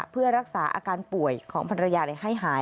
เพื่อรักษาอาการป่วยของภรรยาให้หาย